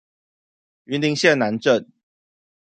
雲林縣南鎮